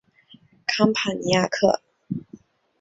康帕尼亚克。